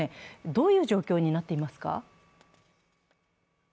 どういう状況になっていますか？